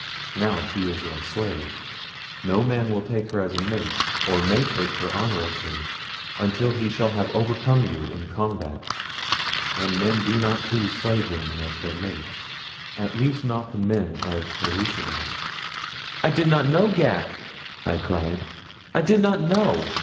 Now she is your slave. No man will take her as mate, or may take her honorably, until he shall have overcome you in combat, and men do not choose slave women as their mates at least not the men of Pellucidar." "I did not know, Ghak," I cried. "I did not know.